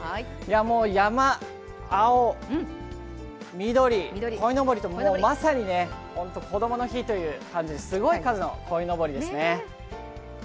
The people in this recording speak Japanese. もう山、青、緑、こいのぼりとまさにこどもの日という感じすごい数のこいのぼりですね。